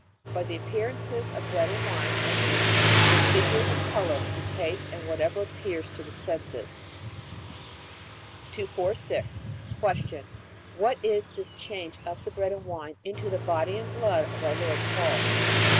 By the appearances of bread and wine I mean the figure, the color, the taste, and whatever appears to the senses. 246. Q. What is this change of the bread and wine into the body and blood of our Lord called? A.